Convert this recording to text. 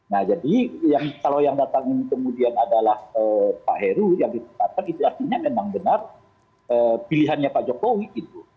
nah jadi kalau yang datang ini kemudian adalah pak heru yang ditetapkan itu artinya memang benar pilihannya pak jokowi gitu